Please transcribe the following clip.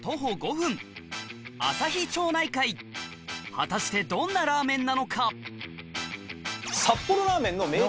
果たしてどんなラーメンなのか？